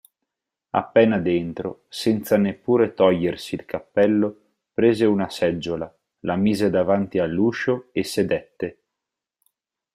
Appena dentro, senza neppure togliersi il cappello, prese una seggiola, la mise davanti all'uscio e sedette.